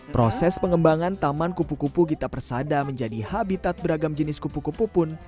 proses pengembangan taman kupu kupu gita persada menjadi habitat beragam jenis kupu kupu pun